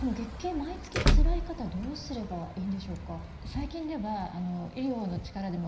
毎月つらい方はどうすればいいんでしょうか？